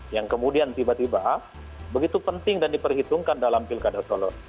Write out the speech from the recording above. yang kemudian tiba tiba begitu penting dan diperhitungkan dalam pilkada solo